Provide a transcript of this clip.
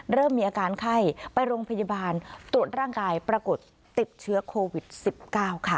เริ่มมีอาการไข้ไปโรงพยาบาลตรวจร่างกายปรากฏติดเชื้อโควิด๑๙ค่ะ